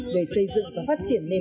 về xây dựng và phát triển nền